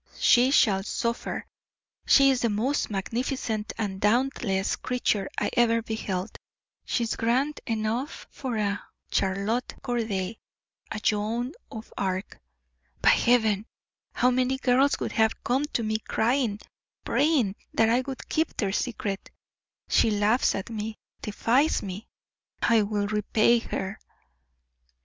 She shall suffer. She is the most magnificent and dauntless creature I ever beheld; she is grand enough for a Charlotte Corday, a Joan of Arc. By Heaven! how many girls would have come to me crying, praying that I would keep their secret; she laughs at me, defies me. I will repay her!"